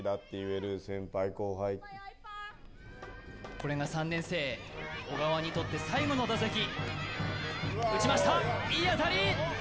これが３年生小川にとって最後の打席打ちましたいい当たり！